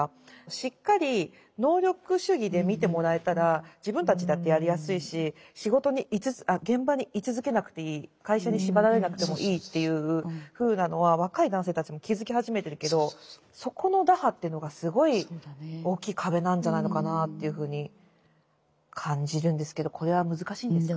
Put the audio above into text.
しっかり能力主義で見てもらえたら自分たちだってやりやすいし仕事に現場に居続けなくていい会社に縛られなくてもいいというふうなのは若い男性たちも気付き始めてるけどそこの打破というのがすごい大きい壁なんじゃないのかなというふうに感じるんですけどこれは難しいんですか。